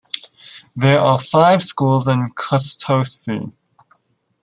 There are five schools in Costessey.